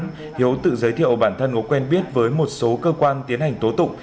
sau đó hiếu tự giới thiệu bản thân ngốc quen biết với một số cơ quan tiến hành tố tụng